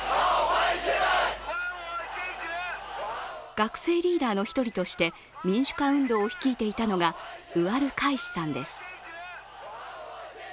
学生リーダーの１人として、民主化運動を率いていたのがウアルカイシさんです。